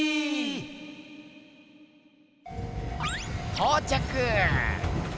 とうちゃく！